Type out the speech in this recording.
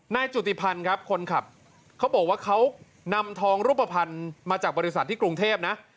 จุติพันธ์ครับคนขับเขาบอกว่าเขานำทองรูปภัณฑ์มาจากบริษัทที่กรุงเทพนะ